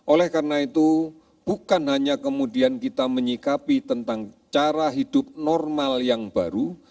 oleh karena itu bukan hanya kemudian kita menyikapi tentang cara hidup normal yang baru